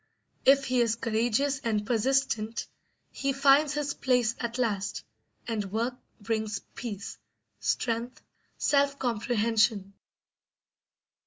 If he is courageous and persistent he finds his place at last; and work brings peace, strength, self comprehension.